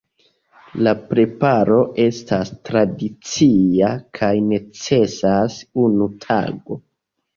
La preparo estas tradicia kaj necesas unu tago.